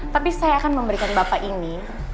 tapi saya akan memberikan bapak ini